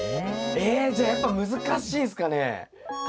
えじゃあやっぱ難しいんすかね？